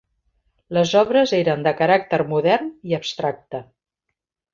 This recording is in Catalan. Les obres eren de caràcter modern i abstracte.